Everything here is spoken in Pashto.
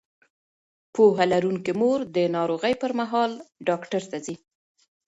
پوهه لرونکې مور د ناروغۍ پر مهال ډاکټر ته ځي.